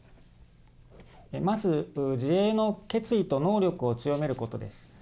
まず、自衛の決意と能力を強めることです。